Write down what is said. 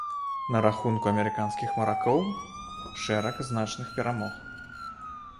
На рахунку амерыканскіх маракоў шэраг значных перамог.